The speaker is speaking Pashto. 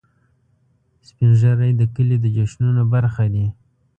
سپین ږیری د کلي د جشنونو برخه دي